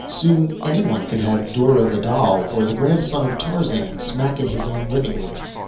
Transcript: Soon anyone could have Dora the Doll or the Grandson of Tarzan smack in his own living room.